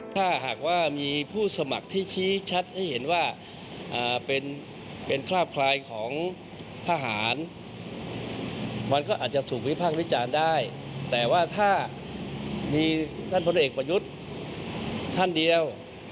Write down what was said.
แต่ว่าถ้ามีผลพลักษณ์เอกประยุทธท่านเดียว